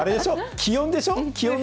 気温差でしょ？